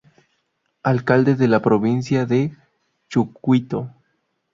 Alcalde de la Provincia de Chucuito.